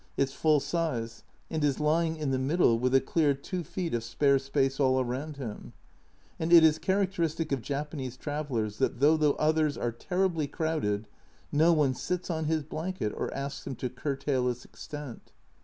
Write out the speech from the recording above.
its full size, and is lying in the middle, with a clear 2 feet of spare space all round him, and it is characteristic of Japanese travellers that though the others are terribly crowded no one sits on his blanket or asks him to curtail its extent.